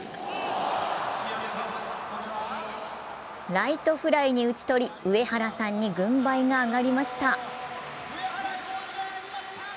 ライトフライに打ち取り上原さんに軍配が上がりました。